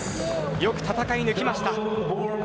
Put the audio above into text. よく戦い抜きました。